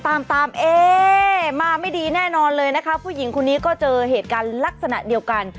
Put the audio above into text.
ตามตามเอ๊มาไม่ดีแน่นอนเลยนะคะผู้หญิงคนนี้ก็เจอเหตุการณ์ลักษณะเดียวกัน